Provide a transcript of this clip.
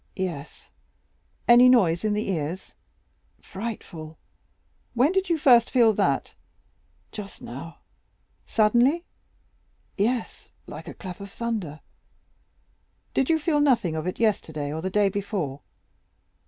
"Yes." "Any noise in the ears?" "Frightful." 40112m "When did you first feel that?" "Just now." "Suddenly?" "Yes, like a clap of thunder." "Did you feel nothing of it yesterday or the day before?"